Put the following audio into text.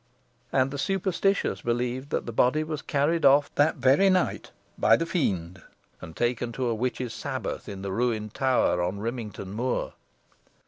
And the superstitious believed that the body was carried off that very night by the Fiend, and taken to a witch's sabbath in the ruined tower on Rimington Moor.